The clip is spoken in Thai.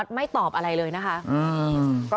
ไม่ตอบอะไรเลยนะคะ